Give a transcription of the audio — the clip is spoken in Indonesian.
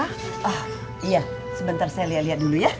ah iya sebentar saya lihat lihat dulu ya